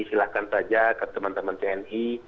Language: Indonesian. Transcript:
silahkan saja ke teman teman tni